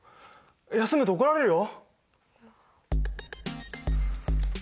休むと怒られるよ。